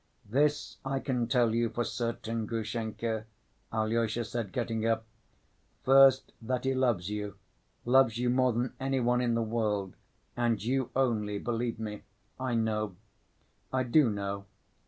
"This I can tell you for certain, Grushenka," Alyosha said, getting up. "First, that he loves you, loves you more than any one in the world, and you only, believe me. I know. I do know.